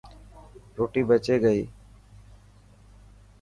روٽي بچي گئي.